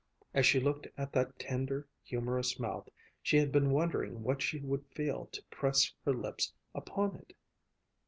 As she looked at that tender, humorous mouth, she had been wondering what she would feel to press her lips upon it?